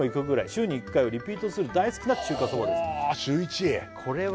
「週に１回はリピートする大好きな中華そばです」はあ週１？